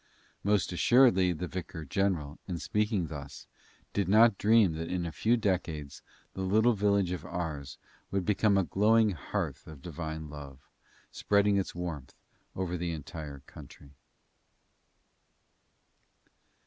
Most assuredly the vicar general, in speaking thus, did not dream that in a few decades the little village of Ars would become a glowing hearth of Divine love, spreading its warmth over the entire country.